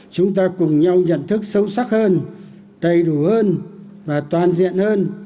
chúng ta cùng nhau nhận thức sâu sắc hơn đầy đủ hơn và toàn diện hơn